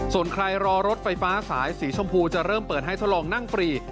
ส่วนใครรอรถไฟฟ้าสายสีชมพูจะเริ่มเปิดให้ทดลองนั่งฟรี